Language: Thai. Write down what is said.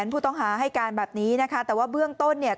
ผู้ต้องหาให้การแบบนี้นะคะแต่ว่าเบื้องต้นเนี่ย